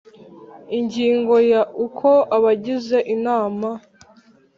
Ingingo ya uko abagize inama